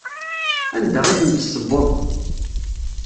Anda i ten-tessewweḍ?